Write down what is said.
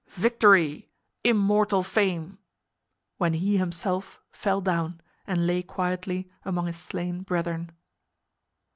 Victory! Immortal fame!" when he himself fell down and lay quietly among his slain brethren.